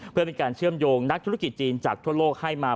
เพื่อเป็นการเชื่อมโยงนักธุรกิจจีนจากทั่วโลกให้มา